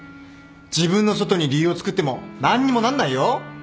自分の外に理由をつくっても何にもなんないよ。